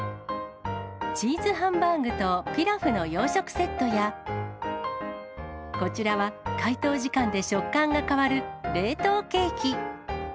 チーズハンバーグとピラフの洋食セットや、こちらは、解凍時間で食感が変わる冷凍ケーキ。